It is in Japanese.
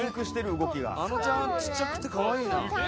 あのちゃんちっちゃくてかわいいな。